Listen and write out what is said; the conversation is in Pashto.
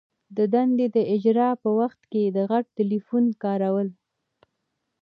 د دندي د اجرا په وخت کي د غټ ټلیفون کارول.